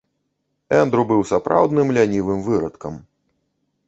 Эндру быў сапраўдным лянівым вырадкам.